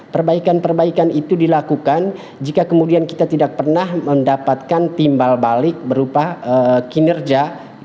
perbaikan perbaikan itu dilakukan jika kemudian kita tidak pernah mendapatkan timbal balik berupa kinerja